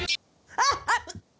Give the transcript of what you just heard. あっ！